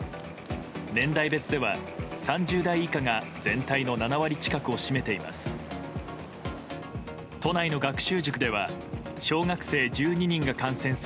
年代別では３０代以下が全体の７割近くを占めています。